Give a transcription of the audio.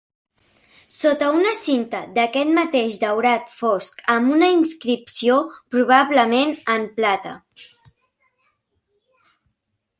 Sota una cinta d'aquest mateix daurat fosc amb una inscripció probablement en plata.